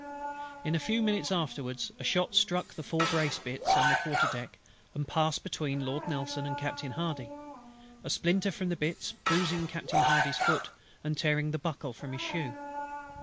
In a few minutes afterwards a shot struck the fore brace bits on the quarter deck, and passed between Lord NELSON and Captain HARDY; a splinter from the bits bruising Captain HARDY'S foot, and tearing the buckle from his shoe.